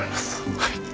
はい。